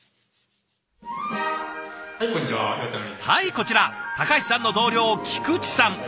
はいこちら高橋さんの同僚菊池さん。